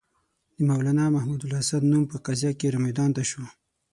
د مولنا محمودالحسن نوم په قضیه کې را میدان ته شو.